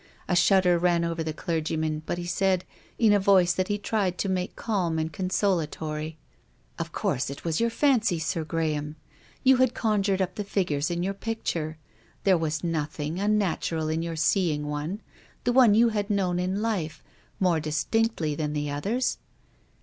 A shudder ran over the clergyman, but he said, in a voice that he tried to make calm and consolatory, " Of course it was your fancy, Sir Graham. You had conjured up the figures in your picture. There was nothing unnatural in your seeing one — the one you had known in life — more distinctly than the others."